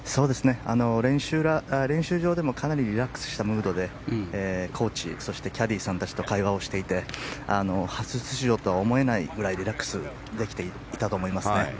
練習場でもかなりリラックスしたムードでコーチ、そしてキャディーさんたちと会話をしていて初出場とは思えないぐらいリラックスできていたと思いますね。